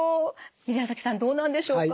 宮崎さんどうなんでしょうか？